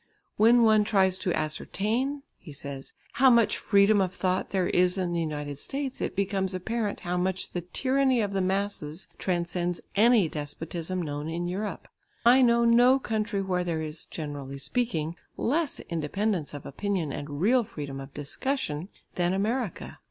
"When one tries to ascertain," he says, "how much freedom of thought there is in the United States it becomes apparent how much the tyranny of the masses transcends any despotism known to Europe. I know no country where there is, generally speaking, less independence of opinion and real freedom of discussion than America.